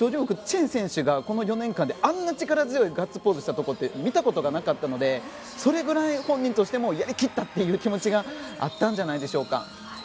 チェン選手が、この４年間であんな力強いガッツポーズをしたところを見たことがなかったのでそれぐらい、本人としてもやり切ったという気持ちがあったんじゃないでしょうか。